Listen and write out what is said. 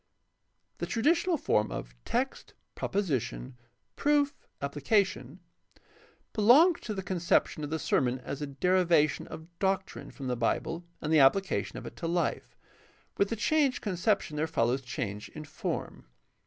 — The traditional form of text, proposition, proof, application, belongs to the conception of the sermon as a derivation of doctrine from the PRACTICAL THEOLOGY . 591 Bible and the application of it to life. With the changed conception there follows change in form.